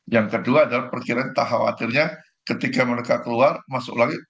yang kedua adalah perkiraan tak khawatirnya ketika mereka keluar masuk lagi